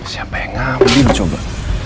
hini siapa enggakpequé dirus hope